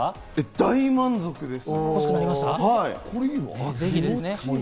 大満足です。